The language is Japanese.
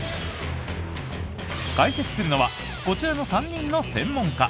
解説するのはこちらの３人の専門家。